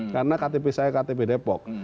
karena ktp saya ktp depok